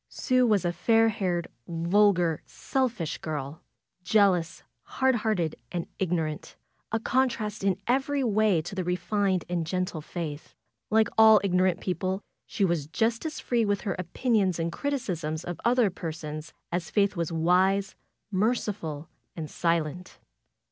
Sue was a fair haired, vulgar, selfish girl; Jealous, hard hearted and ignorant; a contrast in every way to the refined and gentle Faith. Like all ignorant people, she was Just as free with her opinions and criticisms of other per sons as Faith was wise, merciful and silent.